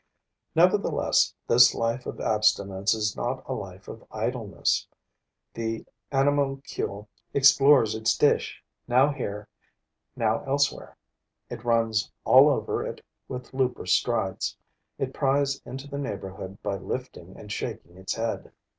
Nevertheless, this life of abstinence is not a life of idleness. The animalcule explores its dish, now here, now elsewhere; it runs all over it with looper strides; it pries into the neighborhood by lifting and shaking its head.